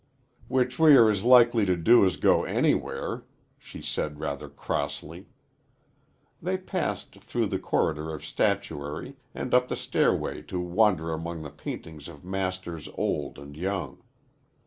"Which we are as likely to do as to go anywhere," she said, rather crossly. They passed through the corridor of statuary and up the stairway to wander among the paintings of masters old and young.